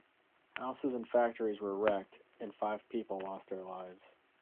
Houses and factories were wrecked and five people lost their lives.